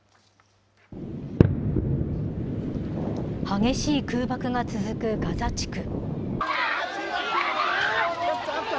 激しい空爆が続くガザ地区。